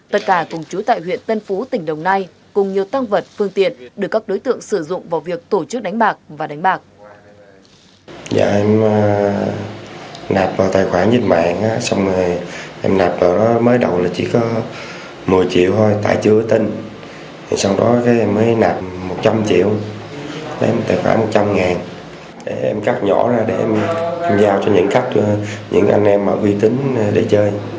tất cả cùng chú tại huyện tân phú tỉnh đồng nai cùng nhiều tăng vật phương tiện được các đối tượng sử dụng vào việc tổ chức đánh bạc và đánh bạc